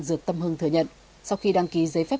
dược tâm hưng thừa nhận sau khi đăng ký giấy phép